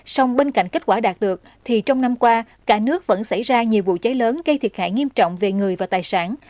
song bên cạnh kết quả đạt được thì trong năm qua cả nước vẫn xảy ra nhiều vụ cháy lớn gây thiệt hại nghiêm trọng về người và tài sản